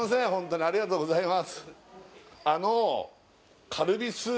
ありがとうございます